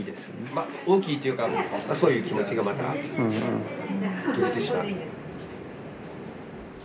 まあ大きいというかそういう気持ちがまた閉じてしまった。